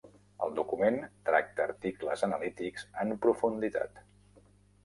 El document tracta articles anàlitics en profunditat.